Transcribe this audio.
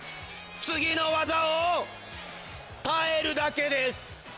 次の技を耐えるだけです。